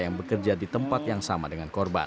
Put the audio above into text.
yang bekerja di tempat yang sama dengan korban